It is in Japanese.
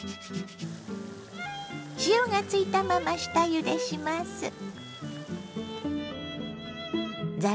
塩がついたまま下ゆでします。